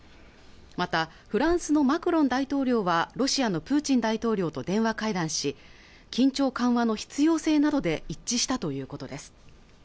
またフランスのマクロン大統領はロシアのプーチン大統領と電話会談し緊張緩和の必要性などで一致したということです